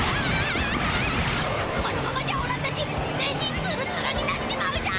このままじゃおらたち全身ツルツルになっちまうだ！